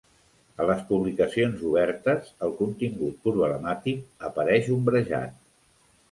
A les publicacions obertes, el contingut problemàtic apareix ombrejat.